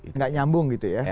tidak nyambung gitu ya